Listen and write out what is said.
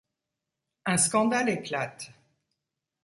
Un scandale éclate.